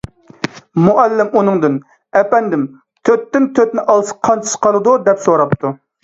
مۇئەللىم ئۇنىڭدىن: _ ئەپەندىم، تۆتتىن تۆتنى ئالسا قانچىسى قالىدۇ؟ _ دەپ سوراپتۇ.